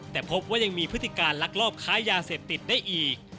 แต่พบว่ายังมีพฤติการลักลอบค้ายาเสพติดได้อีก